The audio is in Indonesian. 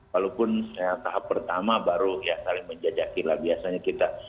walaupun tahap pertama baru ya saling menjajakilah biasanya kita